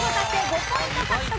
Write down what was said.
５ポイント獲得。